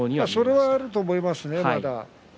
それはあるかと思いますね。